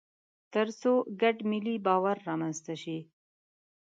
تر څو ګډ ملي باور رامنځته شي.